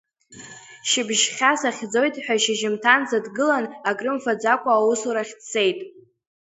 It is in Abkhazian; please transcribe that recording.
Шьыбжьхьа сахьӡоит ҳәа шьыжьымҭанӡа дгылан, акрымфаӡакәа аусурахь дцеит.